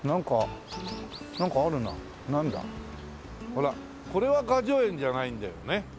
ほらこれは雅叙園じゃないんだよね。